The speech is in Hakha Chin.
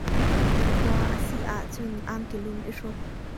Na khua a sih ahcun angki lum i hruk.